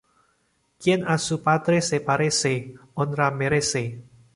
Quien a su padre se parece, honra merece